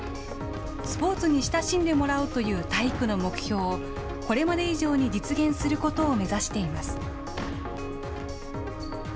スポーツに親しんでもらうという体育の目標を、これまで以上に実現することを目指しています。